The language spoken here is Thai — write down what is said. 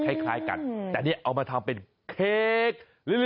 เอาลิ้นมาทำเป็นเค้ก